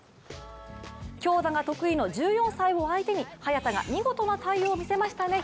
強打が得意の１４歳を相手に早田が見事な対応を見せましたね。